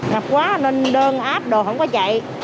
ngập quá nên đơn áp đồ không có chạy